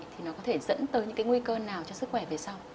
thì nó có thể dẫn tới những cái nguy cơ nào cho sức khỏe về sau